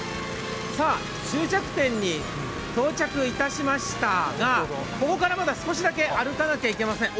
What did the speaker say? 終着点に到着いたしましたが、ここからまだ少しだけ歩かなきゃいけません。